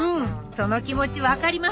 その気持ち分かります